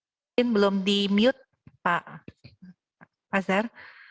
mungkin belum di mute pak azhar